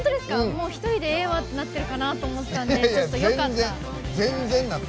一人でええわってなってるかと思ってたんでちょっとよかった。